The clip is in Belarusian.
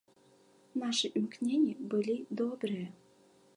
Нашы імкненні былі добрыя.